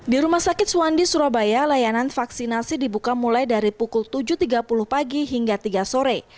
di rumah sakit suwandi surabaya layanan vaksinasi dibuka mulai dari pukul tujuh tiga puluh pagi hingga tiga sore